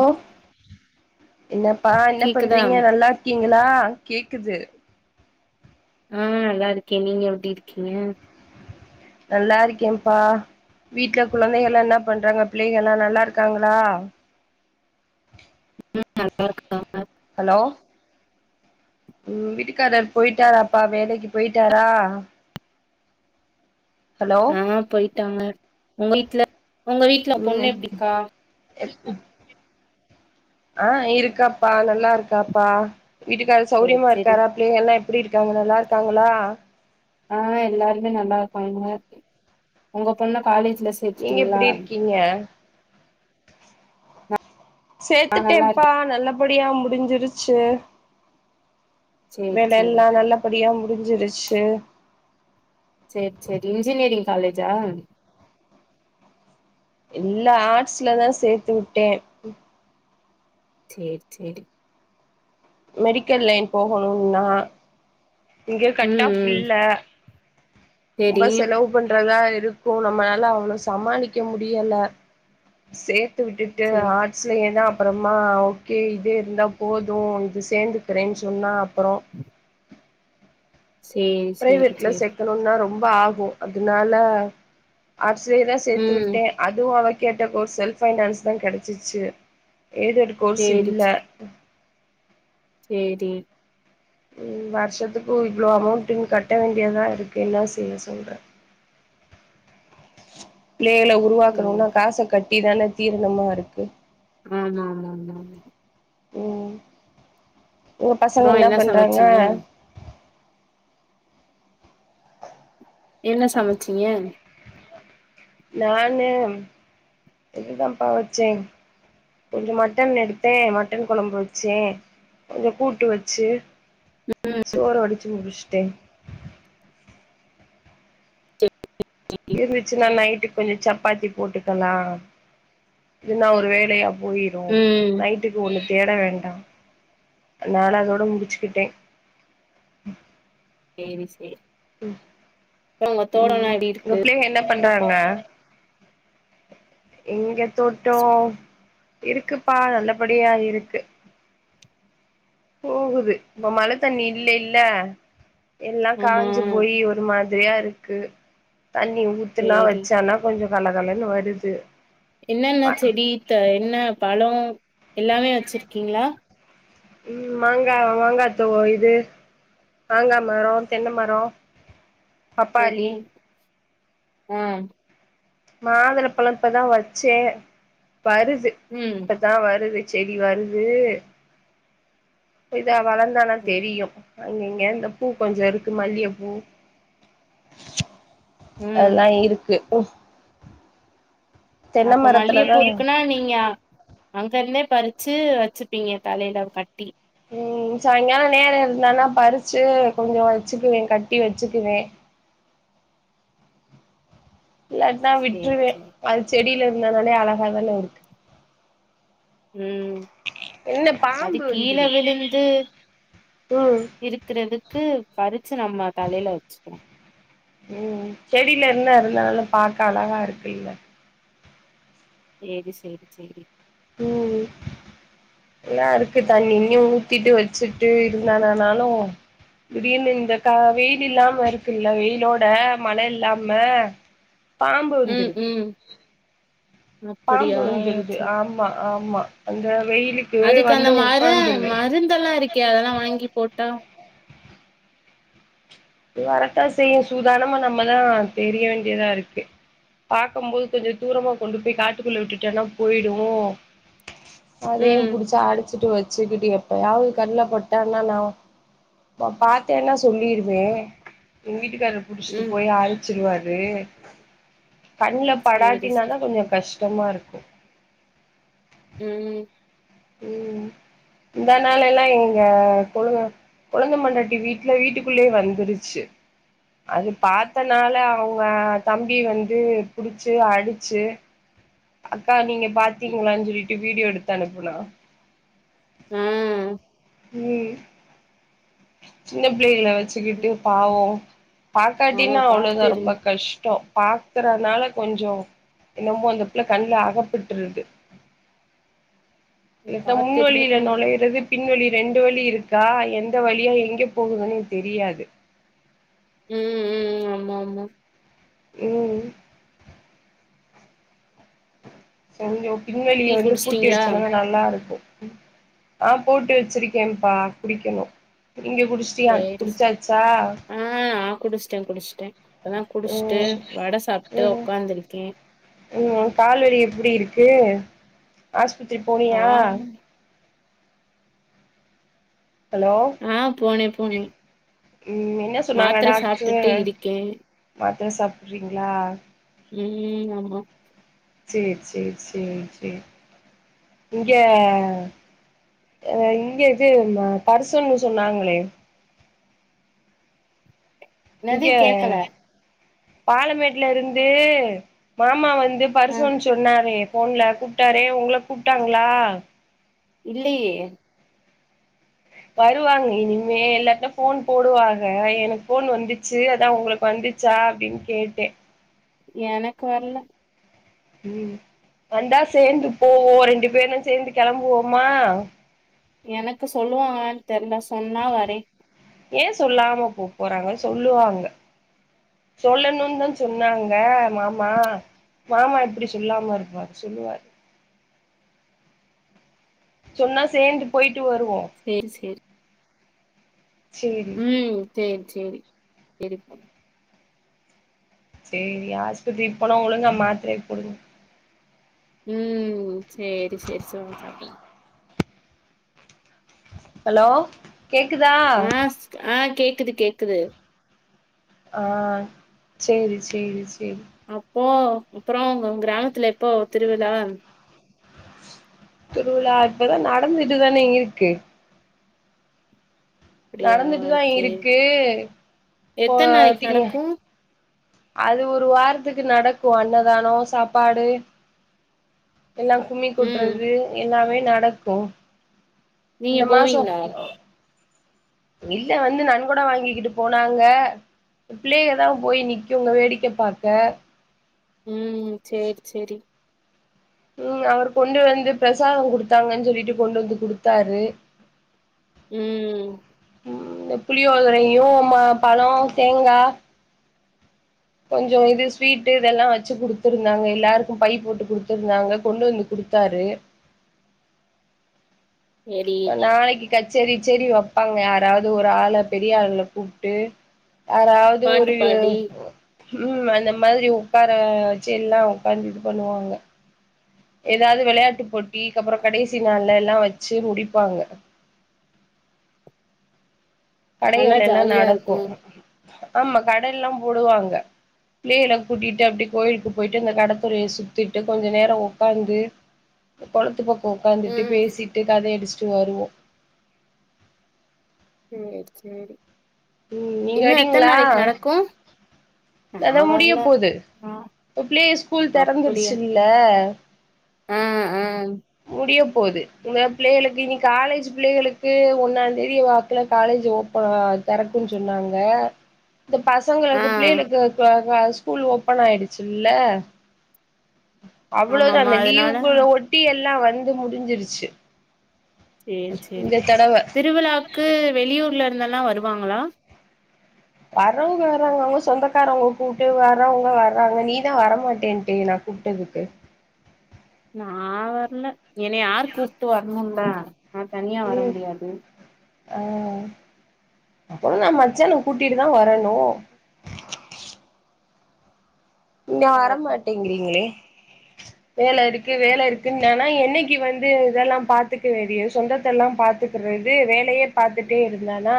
ஓ என்னப்பா என்ன கேக்குதா பண்றீங்க நல்லா இருக்கீங்களா கேக்குது ஆஹ் நல்லா இருக்கேன் நீங்க எப்டி இருக்கீங்க நல்லா இருக்கேன்பா வீட்டுல குழந்தைகல்லா என்ன பண்றாங்க பிள்ளைகள்லா நல்லா இருக்காங்களா [unintelligible] உம் வீட்டுக்காரர் போயிட்டாராபா வேலைக்கு போயிட்டாரா ஹலோ ஆஹ் போயிட்டாங்க உங்க வீட்டுல உங்க வீட்டுல பொண்ணு எப்டிக்கா எ ஆஹ் இருக்காப்பா நல்லா இருக்காப்பா வீட்டுக்காரு சேரி சௌரியமா சேரி இருக்காரா பிள்ளைங்கல்லா எப் எப்படி இருக்காங்க நல்லா இருக்காங்களா ஆஹ் எல்லாருமே நல்லா இருக்காங்க உங்க பொண்ண காலேஜ் நீங்க எப்படி இருக்கீங்க ஆ நல்லா சேத்துட்டேன்ப்பா இருக்கு நல்லபடியா முடிஞ்சிருச் ச்சு சேரி வேல சேரி எல்லா நல்லபடியா மு முடிஞ்சிருச்சு சேரி சேரி இன்ஜினியரிங் காலேஜா இல்ல ஆர்ட்ஸ்லதா சேத்து உட்டே சேரி சேரி மெடிக்கல் லைன் போகணுன்னா இங்க கட் ம் ஆஃப் ம் இல்ல சேரி ரொம்ப செலவு பண்றதா இருக்கு நம்மளால அவ்ளோ சமாளிக்க முடியல சேர் த்து விட்டுட்டு சேரி ஆர்ட்ஸ்லயே தா அப்பறமா ஓகே இதே இருந்தா போது இது சேந்துக்கிறேன்னு சொன்னா அப் அப்பறோ சேரி சேரி பிரைவேட்ல சேரி சேக்கணுன்னா ரொம் ப ஆகும் அதனால ஆர்ட்ஸ்லயேதா சேத்து ம் விட்டே அதுவு அவ கேட்ட கோர்ஸ் செல்ப் பைனான்ஸ் தா கெடைச்சிச்சு எய்டட் கோர்ஸ் சேரி இல்ல சேரி உம் வருஷத்துக்கு இவ்வளோ அமௌண்ட்ன் கட்ட வேண்டியதா இருக்கு என்ன செய்ய சொல்ற பிள்ளைகள சேரி உருவாக்கணுனா காச கட் டி தானே தீரணமா இருக்கு ஆ ஆ ஆ ஆ உம் உங்க பசங்க என்னா என்ன பண்றாங்க சமச்சீங்க என்ன சமச்சீங்க நானு இதுதாப்பா வச்சே கொஞ்சோ மட்டன் எடுத்தே மட்டன் கொழம்பு வச்சே கொஞ்சோ கூட்டு வச்சு ம் சோறு வடிச்சி முடிச் டே டெ இருந்துச்சுன்னா நைட்டு கொஞ்ச சப்பாத்தி போட்டு இப்ப நா நா ஒரு வேலையாப் போயிரூ ம் நைட்டுக்கு ஒன்னு தேட வேண்டா நான அதோட முடிச்சுக்கிட்டே சேரி செ ம் ம் எப்டி உங்க இருக்கு பிள்ளைங்க என்ன பண்றாங்க இங்க தோட்டோ இருக்குப்பா நல்லபடியா இருக்கு போகுது இப்ப மழ தண்ணி இல்லல்லே எல்லா ஆமா காஞ்சு போயி ஒரு மாத் ரியாருக்கு தண்ணி ஊத்துனா சேரி வச்சானா கொஞ்சோ வளவெளன்னு வருது என்னன்ன செடி த என்ன பழோ எல்லாமே வச்சிருக்கீங்ளா ம் மாங்கா மாங்கா தோவ இது மாங்கா மரோ தென்ன மரோ செடி பப்பாளி ஆ மாதுளப்பழோ இப்பதா வச்சே வருது ம் இப்பதா வருது செடி வருது பொய்தா வளந்தானா ம் தெரியூ அங்க இங்க இந்த பூ கொஞ்சோ இருக்கு மல்லிகப்பூ ம். அத்லா இருக்கு ஒ அப்ப மல்லிகப்பூ இருக்குன்னா நீங்க அங்கருந்தே பறி ச்சு வச்சுப்பீங்க தலையில கட்டி ம் சாய்ங்காலோ நேரோ இருந்தான்னா பறிச்சு கொஞ்சோ வச்சுக்குவே கட்டி வச்சுக்குவே இல்லாட்னா சேரி விட்டுருவே சேரி அது செடிலர் இன்னனாலே அழகா தான இருக்கு உம் என்ன பாம்பு அதுக் கீழ வந்துரு விழுந்து ம் இருக்கிறதுக்கு பறிச்சு நம்ம தலைல வச்சுகுலா உம் செடில இன்ன இருந்தா நல்லா பாக்க அழகா இருக்கில்ல [unintelligible] செய்தி உம் எல்லா இருக்கு தண்ணி ண்ணியு ஊத்திட்டு வச்சுட்டு இருந்தாதானாலோ திடீர்னு இந்த கா வெயில் இல்லாம இருக்குல்ல வெயிலோட மழ இல்லாம பாம்பு ம் வந்துருது ம் பாம்பு அப்படியா வந்துருது சேரி ஆமா ஆமா அந்த வெயிலுக்கு அதுக்கு அந்த வந்து மர உக்காந்துருது மருந்தெல்லா இருக்கே அதெல்லா வாங்கி போட்டா இது வரத்தா செய்யு சூதானமா நம்மதா தெரிய வேண்டியதா இருக்கு பாக்கம் போது கொஞ்சோ தூரமா கொண்டு போய் காட்டுக்குள்ள விட்டுட்டோனா போயிடோ அதயே ம், புடிச்ச அடிச்சிட்டு வ சை குட்டி எப்பயாவுது கண்லப் பட்டான்னா நா ப பாத்தேனா சொல்லீர்வே இன்னிட்டு காரர் புடிச்சிட்டு ம். போய் அழிச்சிர்வார் ரே கண்ல சரி, படாட்டின்னா சரி. தா கொஞ்சோ கஷ் தமா இருக்கோ உம் உம் முந்தா நாளெல்லா எங்க கொழுங்க கொழுந்த பொண்டாட்டி வீட்ல வீட்டுக்குள்ளயே வந்திருச்சு அது பாத்தனால அவுங்க தம்பி வந்து புடிச்சு அடிச்சு அக்கா நீங்க ம். பாத்தீங்ளான்னு சொல்லிட் வ் வீடியோ எடுத்து அனுப்புனா ஆ உம் சின்னப் பிளேகள வ ம். [unintelligible] பாவோ ஆமா பாக்காட்டினா பார்த்து அவ்ளோதா ரொம்ப இருங்க. கஷ்டோ பாத்தரனால கொஞ்சோ என்னமோ இந்தப் பிளே கண்ல அகப்பட்டுருது கேட்டா பார்த்து முன்னொழில இருந்துக்கோங்க. நொழைறதே பின்வழி ரெண்டு வழி இருக்கா என் த வழியா எங்க போகுதுன்னு தெரியாது உம் ஆமா ஆமா உம் சரிங்கோ டீ பின்வழிய வந்து பூட்டி குடிச்சிட்டீங்களா? வச்சோன்னா நல்லா இருக்கோ ஆ போட்டு வச்சிருக்கேபா குடிக்கணோ இங்க குடிஸ்டியா சரி, குடிச்சாச்சா சே குடிஸ்டே இப்பதா குடிச்சுட்டு ம் வட சாப்புட்டு ம் உக்காந்துருக்கே ம் கால்வலி எப்பிடி இருக்கு ஆஸ் பத்தி ஆ. போனியா ஹலோ ஆஹ் போனே போனே உம் என்ன சொன்னாங்க டாக்ட்ரு இருக்கேன். டா தா சாப்ட்றீங்களா உம் ஆமா செரி செரி செரி செரி இங்க அ இங்க இது ம பரிசம்ன்னு சொன்னாங்களே ன்னது இங்க கேக்கல பாலமேட்ல இருந்து மாமா வந் து ஆ. பருசோன்னு சொன்னாரு போன்ல கூப்புட்டாரு ஒங்கள கூப்ட்டாங்களா இல்லியே வருவாங்க இனிமேலதா ஃபோன் போடுவாங்க ஏனா எனக்கு ஃபோன் வந்துச்சு அதா உங்களுக்கு வந்துச்சா அப்படின்னு கேட்டே எனக்கு வர்ல உம் வந்தா சேர்ந்து போவோ ரெண்டு பேர்னு சேர்ந்து கெளம்புவோமா எனக்கு சொல்லுவாங்கலான் தெர்ல சொன்னா வரே ஏ சொல்லாம போ போறாங்க சொல்லுவாங்க சொல்லணுந்தான் சொன்னாங்க மாமா மாமா எப்படி சொல்லாம இருப்பாரு சொல்லுவாரு சொன்னா சேந்து போயிட் ட்டு வருவோ சேரி உம் சரி சரி சரிப்பா சரி ஆஸ்பத்திரி போனா ஒழுங்கா மாத்திரைய போடுங்க உம் சேரி சேரி சொல்ற மார் சாப்டுறே ஹலோ கேக்குதா ஆ ஆ கேக்குது கேக்குது ஆஹ் செரி செரி தேது போ அப்பறொ உங்க கிராமத்துல எப்போ திருவிழா திருவிழா இப்பதா நடந்துட்டுதானே இருக்கு அப்டியா நடந்துட்டுதா சேரி இருக்கு எத்தன் நாளைக்கு போத்தீங்க நடக்கு அது ஒரு வாரத்துக்கு நடக்கு அன்னதானொ சாப்பாடு எல்லா கும்மி ம் கொட்டுறது எல்லாமே நடக்கு நீங்க இந்த மாசோ போவீங்ளா இல்ல வந்து நன்கொட வாங்கிக்கிட்டு போனாங்க பிள்ளக தா போய் நிக்குங்க வேடிக்க பாக்க உம் சேரி சேரி ம் அவரு கொண்டு வந்து பிரசாதங் குடுத்தாங்கன் சொல்லிட்டு கொண்டு வந்து குடுத்தாரு உம் ம் இந்த புளியோதரையையு ம பழோ தேங்கா கொஞ்சோ இது ஸ்வீட்டு இதெல்லா வெச்சு குடுத்திருந்தாங்க எல்லாருக்கு பை போட்டு குடுத்திருந்தாங்க கொண்டு வந்து குடுத்தாரு சேரி நாளைக்கி கச்சேரி கிச்சேரி வெப்பாங்க யாராவ்து ஒரு ஆள பெரிய ஆள்ங்ல கூப்ட்டு யாராவ்து பாட்டு ஒரு யு பாடி ம் அந்த மாதிரி உக்கார வெச்சி எல்லா உக்காந்து இது பண்ணுவாங்க ஏதாது வெளயாட்டு போட்டி கப்றோ கடேசி நாள்ல எல்லா வெச்சு முடிப்பாங்க நல்லா கடைகள் எல்லா ஜாலியா நடக்கு இருக்கு ஆமா கடை எல்லா போடுவாங்க பிள்ளைகல கூட்டிட்டு அப்டி கோயிலுக்கு போய்ட்டு அந்த கடத்துறய சுத்தீட்டு கொஞ்சோ நேரோ ஒக்காந்து கொளத்து பக் ஒக்காந்துட்டு ம் பேசீட்டு கதை அடிச் ட்டு வருவோ ஏர் சேரி ம் நீங்க இன்னு எத்தன் வரீங்ளா நாளைக்கு நடக்கு நா அதா முடிய வர்ல போது நா இப்ப பிள்ளைக ஸ்கூல் தெறந்துருச்சில்ல அ அ முடிய போது இந்த பிள்ளைகளுக்கு இனி காலேஜ் பிள்ளைகளுக்கு ஒன்னாந்தேதி வாக்குல காலேஜ் ஓப்பனா தெறக்குன் சொன்னாங்க இந்த ஆ பசங்களுக்கு பிள்ளைளுக் காக ஸ்கூல் ஓப்பன் ஆயிடுச்சில்ல அவ்ளோதா ஆமாமா அந்த லீவு அதனால குள்ள ஒட்டி எல்லா வ வந்து முடிஞ்சிருச்சு சேரி சேரி இந்த தடவ திருவிழாக்கு வெளியூர்ல ருந்தெல்லா வருவாங்களா வர்றவங்க வறாங்க அவுங்க சொந்தக்காரவங்க கூட்டு வர்றவங்க வர்றாங்க நீதா வரமாட்டேன்டியே நா கூப்டதுக்கு நா வர்ல என்னிய யார் கூப்ட்டு வர்ணுன் அ நா தனியா வர முடியாது ஆ அப்பறோ நா மச்சான கூட்டிட்டு தா வரணு இங்க வர பாப்போ மாட்டிங்கிறீங்களே வேல இடுக்கு வேல இருக்குன்னனா என்னைக்கி வந்து இதெல்லா பாத்துக் எதியு சொந்தத்த எல்லாம் பாத்துக்றது வேலயே பாத்துட்டே இருந்தானா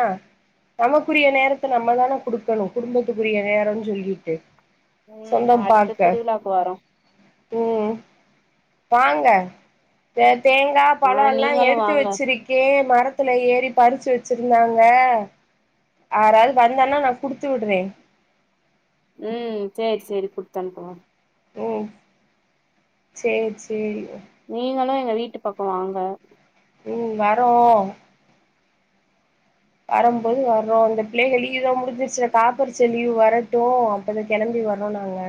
நமக்குரிய நேரத்த நம்மதான குடுக்கணு குடும்பத்துக்குரிய நேரன் சொல்லிட்டு ம் சொந்தம் அடுத்த பாக்க திருவிழாக்கு வறோ ம் வாங்க சேரி தேங்கா ஆ பழ எல்லா நீங்களு எடுத்து வாங்க வெச்சிருக்கே மர த்துல ஏறி பறிச்சு வெச்சிருந்தாங்க ஆராது வந்தன்னா நா குடுத்து விடுறே ம் சேரி சேரி குடுத்தனுப்புங்க ம் சேரி சேரி நீங்களு எங்க வீட்டு பக்க வாங்க ம் வரோ வரம்போது வர்றோ இந்த பிள்ளைக லீவு தா முடிஞ்சிருச்சே காப்பரிச்ச லீவு வரட்டு அப்பத கிளம்பி வர்றோ நாங்க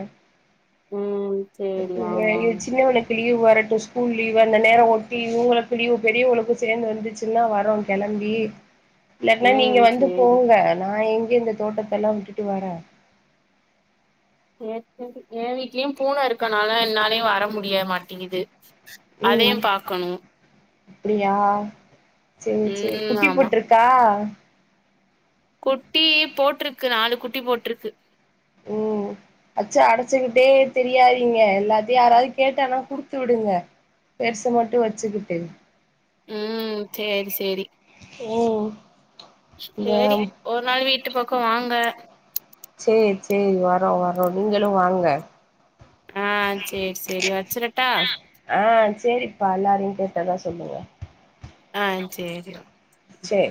ம் சேரி வாங்க அ வாங்க சின்னவனுக்கு லீவ் வரட்டு ஸ்கூல் லீவு அந்த நேர ஒட்டி இவங்களுக்கு லீவ் பெரியவங்களுக்கு சேந்து வந்துச்சுன்னா வர்றோ கெளம்பி இல்லாட்னா நீங்க ம் வந்து சேரி போங்க நா எங் க இந்த தோட்டத்தெல்லா விட்டுட்டு வர சேர் செரி எ வீட்லயு பூன இருக்கனால என்னாலயு வர முடிய மாட்டிங்குது அதையும் பாக்கணு அப்படியா சேர் சேரி ம் குட்டி ஆமா போட்ருக்கா குட்டி போட்ருக்கு நாலு குட்டி போட்ருக்கு ம் வெச்ச அடைச்சுகிட்டே திரியாதிங்க எல்லாத்தையு யாராது கேட்டானா குடுத்து விடுங்க பெருச மட்டு வெச்சுகிட்டு ம் சேரி செரி ம் இந்த சேரி ஒரு நாள் வீட்டு பக்க வாங்க சேரி சேரி வர் ம் ஆ சேரி சேரி வெச்சரட்டா ஆ சேரிப்பா எல்லாரையு கேட்டதா சொல்லுங்க ஆ சேரிவ சேரி